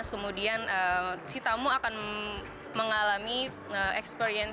kemudian si tamu akan mengalami experience